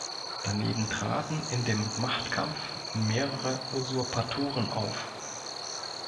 Daneben traten in dem Machtkampf mehrere Usurpatoren auf.